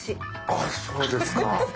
あっそうですか。